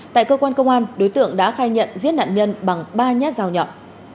tại cơ quan công an đối tượng đã khai nhận giết nạn nhân bằng ba nhát rào nhọc